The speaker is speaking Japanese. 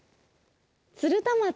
鶴田町。